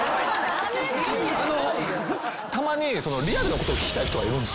たまにリアルなことを聞きたい人がいるんですよ。